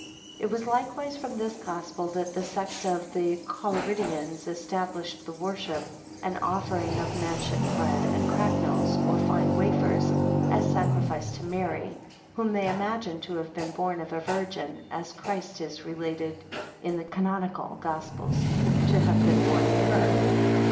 It was likewise from this Gospel that the sect of the Collyridians established the worship and offering of manchet bread and cracknels, or fine wafers, as sacrificed to Mary, whom they imagined to have been born of a Virgin, as Christ is related in the Canonical Gospels to have been born of her.